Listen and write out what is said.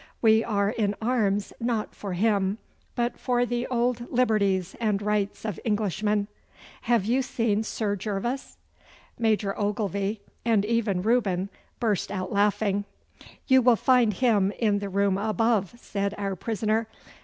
We are in arms not for him, but for the old liberties and rights of Englishmen. Have you seen Sir Gervas?' Major Ogilvy, and even Reuben, burst out laughing. 'You will find him in the room above,' said our prisoner.